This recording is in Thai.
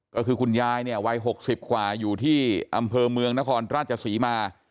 ก็คือคุณยายเนี่ยวัย๖๐กว่าอยู่ที่อำเภอเมืองนครราชศรีมา